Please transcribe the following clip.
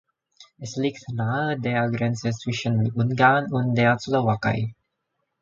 Es liegt nahe der Grenze zwischen Ungarn und der Slowakei.